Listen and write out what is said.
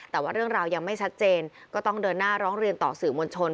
แต่ว่าเรื่องราวยังไม่ชัดเจนก็ต้องเดินหน้าร้องเรียนต่อสื่อมวลชน